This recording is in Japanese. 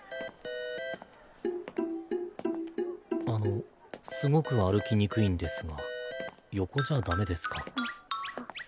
あのすごく歩きにくいんですが横じゃダメですか？